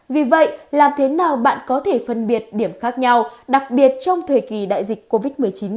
vì vậy làm thế nào bạn có thể phân biệt điểm khác nhau đặc biệt trong thời kỳ đại dịch covid một mươi chín